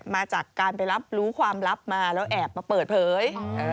มาจากการไปรับรู้ความลับมาแล้วแอบมาเปิดเผย